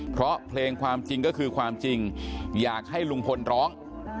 เพราะเพลงความจริงก็คือความจริงอยากให้ลุงพลร้อง